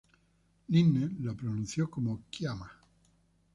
Lynne lo pronuncia como "Ki-ama".